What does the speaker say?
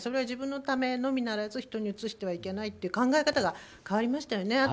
自分のためのみならず人にうつしてはいけないと考え方が変わりましたよね。